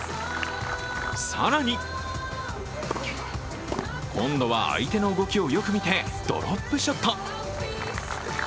更に今度は相手の動きをよく見てドロップショット。